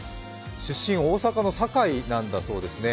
出身は大阪の堺なんだそうですね。